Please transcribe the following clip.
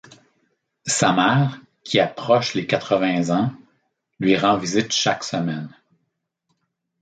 Sa mère, qui approche les quatre-vingts ans, lui rend visite chaque semaine.